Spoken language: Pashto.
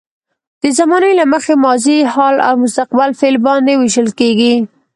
د زمانې له مخې ماضي، حال او مستقبل فعل باندې ویشل کیږي.